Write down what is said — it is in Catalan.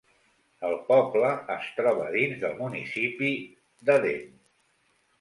El poble es troba dins del municipi d'Eden.